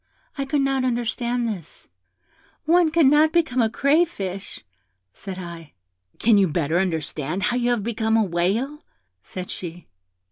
I could not understand this. 'One cannot become a crayfish,' said I. 'Can you better understand how you have become a whale?' said she.